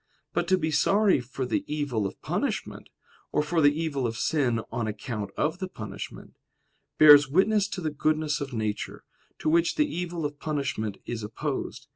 But to be sorry for the evil of punishment, or for the evil of sin on account of the punishment, bears witness to the goodness of nature, to which the evil of punishment is opposed.